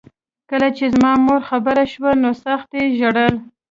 کله چې زما مور خبره شوه نو سخت یې ژړل